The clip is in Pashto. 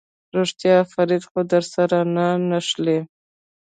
رښتيا فريده خو درسره نه نښلي.